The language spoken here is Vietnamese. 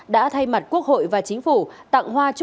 đã thay mặt quốc hội và chính phủ tặng hoa chúc mừng